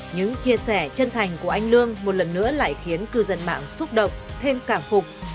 những chia sẻ chân thành của anh lương một lần nữa lại khiến cư dân mạng xúc động thêm cảm phục